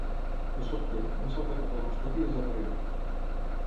De sobte, va saltar cap al costat i desaparegué.